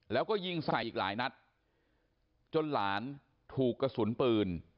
แล้วก็ยิงใส่อีกหลายนัดจนหลานถูกกระสุนปืน